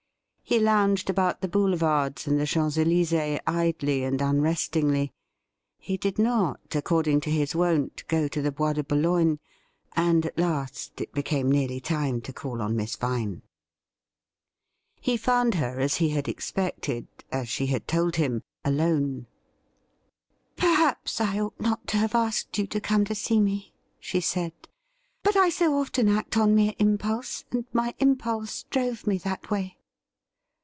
He lounged about the Boulevards and the. Champs Elysees idly and unrestingly ; he did not, according to his wont, go to the Bois de Boulogne — and at last it became nearly time to call on Miss Vine. He found her as he had expected — as she had told him — alone. ' Perhaps I ought not to have asked you to come to see me,' she said, 'but I so often act on mere impulse — and my impulse drove me that way.'